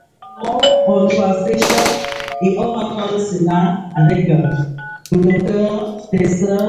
When the station opened it had two platforms and two centre roads.